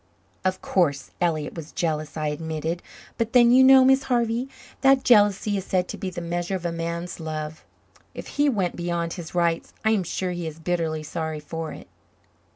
"Of course Elliott was jealous," I admitted. "But then, you know, Miss Harvey, that jealousy is said to be the measure of a man's love. If he went beyond his rights I am sure he is bitterly sorry for it."